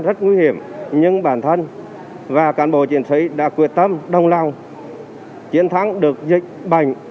rất nguy hiểm nhưng bản thân và cán bộ chiến sĩ đã quyết tâm đồng lòng chiến thắng được dịch bệnh